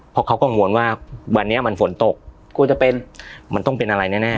เพราะเขากังวลว่าวันนี้มันฝนตกกลัวจะเป็นมันต้องเป็นอะไรแน่